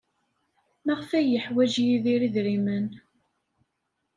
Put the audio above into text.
Maɣef ay yeḥwaj Yidir idrimen?